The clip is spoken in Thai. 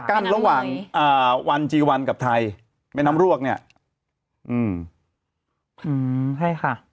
กั้นระหว่างอ่าวันจีวันกับไทยแม่น้ำรวกเนี้ยอืมใช่ค่ะ